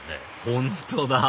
本当だ